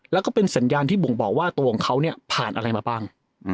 แล้วก็เป็นสัญญาณที่บ่งบอกว่าตัวของเขาเนี่ยผ่านอะไรมาบ้าง